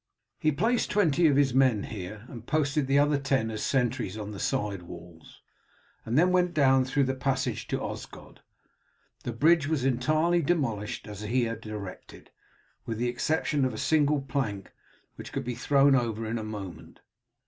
He placed twenty of his men here, and posted the other ten as sentries on the side walls, and then went down through the passage to Osgod. The bridge was entirely demolished as he had directed, with the exception of a single plank, which could be thrown over in a moment.